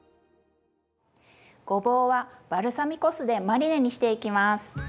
ごぼうはバルサミコ酢でマリネにしていきます。